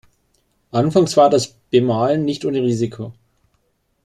Anfangs war das Bemalen nicht ohne Risiko.